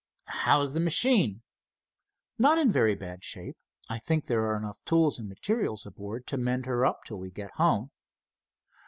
"How's the machine?" "Not in very bad shape. I think there are enough tools and materials aboard to mend her up till we get home."